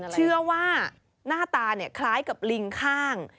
เชื่อว่าหน้าตาคล้ายกับลิงข้าง